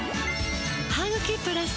「ハグキプラス」